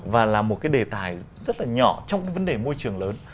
và là một cái đề tài rất là nhỏ trong cái vấn đề môi trường lớn